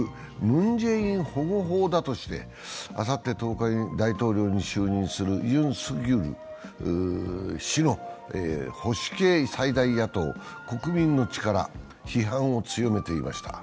文在寅保護法だとしてあさって１０日に大統領に就任するユン・ソギョル氏の保守系最大野党国民の力、批判を強めていました。